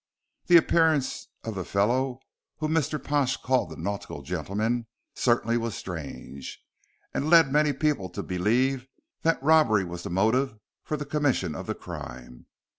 The appearance of the fellow whom Mr. Pash called the nautical gentleman certainly was strange, and led many people to believe that robbery was the motive for the commission of the crime.